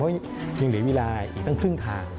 ยังเหลือเวลาอีกตั้งครึ่งทาง